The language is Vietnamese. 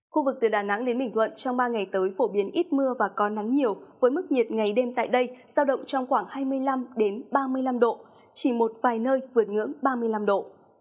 khu vực từ đà nẵng đến bình thuận trong ba ngày tới phổ biến ít mưa và có nắng nhiều với mức nhiệt ngày đêm tại đây giao động trong khoảng hai mươi năm ba mươi năm độ chỉ một vài nơi vượt ngưỡng ba mươi năm độ